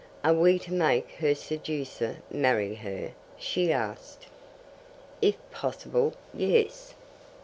"Are we to make her seducer marry her?" she asked. "If possible. Yes."